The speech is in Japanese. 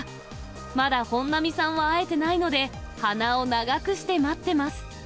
まだ本並さんは会えてないので、鼻を長くして待ってます。